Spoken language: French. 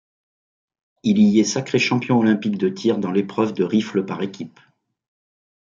Il y est sacré champion olympique de tir dans l'épreuve de rifle par équipes.